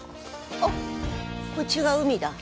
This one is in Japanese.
おっ、こっちが海だ。